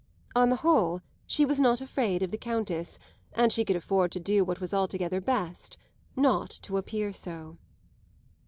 On the whole she was not afraid of the Countess, and she could afford to do what was altogether best not to appear so.